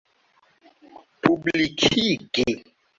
publikigi